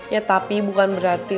ya tapi bukan berarti